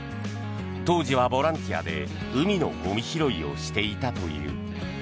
当時はボランティアで海のゴミ拾いをしていたという。